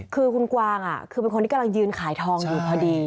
คือคุณกวางคือเป็นคนที่กำลังยืนขายทองอยู่พอดี